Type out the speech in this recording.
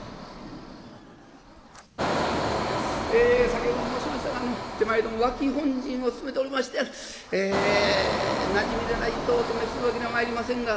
先ほども申しましたがあの手前ども脇本陣を務めておりましてえなじみでないとお泊めするわけにはまいりませんが」。